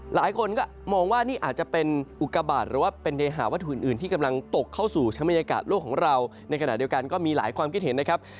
หลายคนก็มองว่านี่อาจจะเป็นอุกาบาทหรือว่าเป็นเนหาวัตถุอื่นที่กำลังตกเข้าสู่ชั้นบรรยากาศโลกของเราในขณะเดียวกันก็มีหลายความคิดเห็นนะครับ